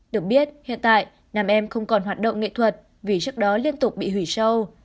được biết hiện tại nam em không còn hoạt động nghệ thuật vì trước đó liên tục bị hủy sâu